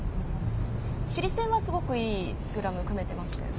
チリ戦はすごくいいスクラム組めてましたよね。